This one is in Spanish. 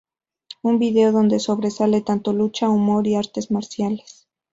Un vídeo donde sobresale tanto lucha, humor y artes marciales.